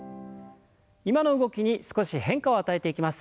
今の動きに少し変化を与えていきます。